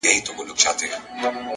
وخت د ضایع شوو فرصتونو غږ نه اوري.